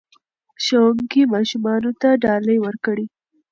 ښوونکي ماشومانو ته ډالۍ ورکړې.